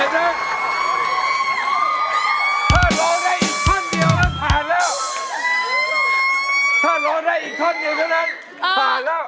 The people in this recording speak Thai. ถ้าร้องได้อีกท่อนเดียวมันผ่านแล้ว